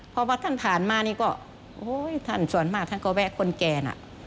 เพราะว่าท่านผ่านมานี่ก็โอ้ยท่านส่วนมากท่านก็แวะคนแก่นะ